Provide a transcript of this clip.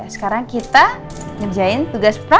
sekarang kita ngerjain tugas pra